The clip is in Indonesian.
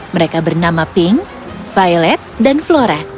mereka bernama pink violet dan floret